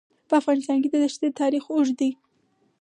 په افغانستان کې د دښتې تاریخ اوږد دی.